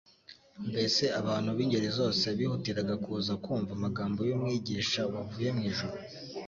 mbese abantu b'ingeri zose bihutiraga kuza kumva amagambo y'Umwigisha wavuye mu ijuru,